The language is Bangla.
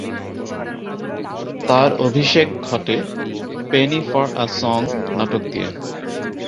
তার অভিষেক ঘটে "পেনি ফর আ সং" নাটক দিয়ে।